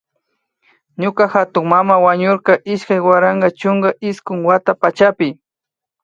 Ñuka hatunmana wañurka iskay waranka chunka iskun wata pachapi